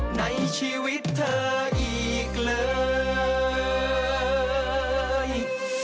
ในชีวิตเธออีกเลย